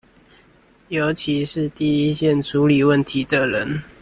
尤其是第一線處理問題的人